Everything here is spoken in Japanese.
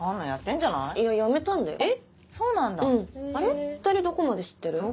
２人どこまで知ってる？